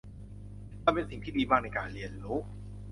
มันเป็นสิ่งที่ดีมากในการเรียนรู้